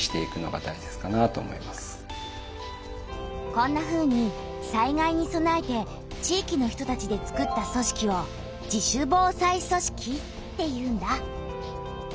こんなふうに災害にそなえて地域の人たちで作った組織を「自主防災組織」っていうんだ。